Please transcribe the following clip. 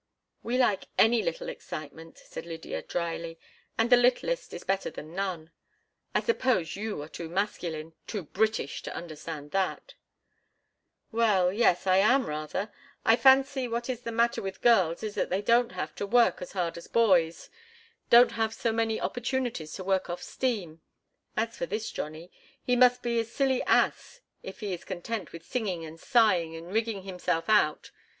"We like any little excitement," said Lydia, dryly, "and the littlest is better than none. I suppose you are too masculine—too British—to understand that!" "Well, yes, I am, rather. I fancy what is the matter with girls is that they don't have to work as hard as boys—don't have so many opportunities to work off steam. As for this Johnny, he must be a silly ass if he is content with singing and sighing and rigging himself out.